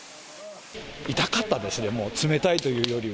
痛かったですね、もう冷たいというよりは。